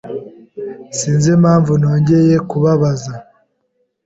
Sinzi impamvu nongeye kubabaza.